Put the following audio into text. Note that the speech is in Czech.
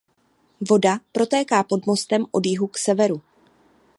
Voda protéká pod mostem od jihu k severu.